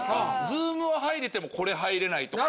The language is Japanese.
Ｚｏｏｍは入れてもこれ入れないとか。